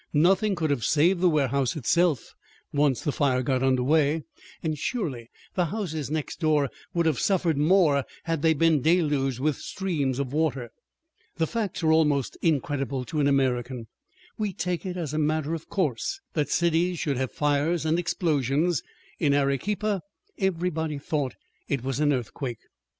Nothing could have saved the warehouse itself once the fire got under way; and surely the houses next door would have suffered more had they been deluged with streams of water. The facts are almost incredible to an American. We take it as a matter of course that cities should have fires and explosions. In Arequipa everybody thought it was an earthquake!